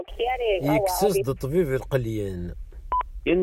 Yekkes-as-d ṭṭbib lqelyan.